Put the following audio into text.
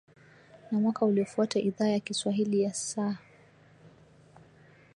Na mwaka uliofuata Idhaa ya Kiswahili ya S